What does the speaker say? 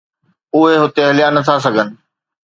اهي هتي هليا نٿا سگهن.